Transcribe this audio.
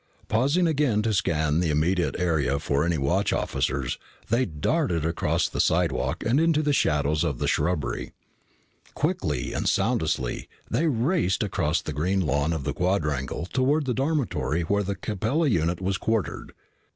Pausing again to scan the immediate area for any watch officers, they darted across the slidewalk and into the shadows of the shrubbery. Quickly and soundlessly, they raced across the green lawn of the quadrangle toward the dormitory where the Capella unit was quartered.